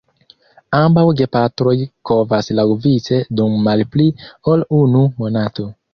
Ambaŭ gepatroj kovas laŭvice dum malpli ol unu monato.